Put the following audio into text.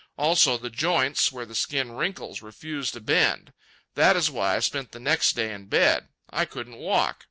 Also, the joints, where the skin wrinkles, refuse to bend. That is why I spent the next day in bed. I couldn't walk.